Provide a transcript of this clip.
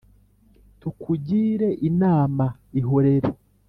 Tukugire inama, ihorere